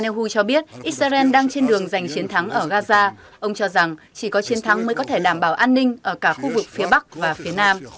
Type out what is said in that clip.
netho cho biết israel đang trên đường giành chiến thắng ở gaza ông cho rằng chỉ có chiến thắng mới có thể đảm bảo an ninh ở cả khu vực phía bắc và phía nam